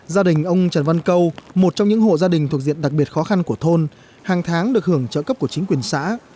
gia đình ông trần văn câu một trong những hộ gia đình thuộc diện đặc biệt khó khăn của thôn hàng tháng được hưởng trợ cấp của chính quyền xã